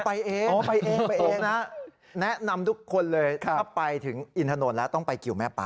ผมไปเองขอแนะนำทุกคนเลยถ้าไปถึงอินทนท์ถนนแล้วต้องไปกิวแม่ปาน